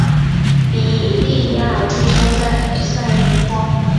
比利亚尔出生在巴拉圭涅恩布库省的塞里托。